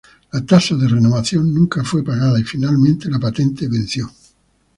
La tasa de renovación nunca fue pagada y, finalmente, la patente venció.